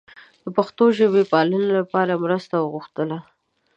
د پښتو ژبې پالنې لپاره یې مرسته وغوښتله.